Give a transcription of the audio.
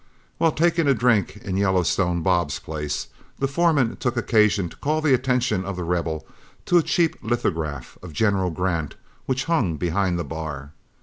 While taking a drink in Yellowstone Bob's place, the foreman took occasion to call the attention of The Rebel to a cheap lithograph of General Grant which hung behind the bar.